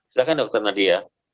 silahkan dr nadia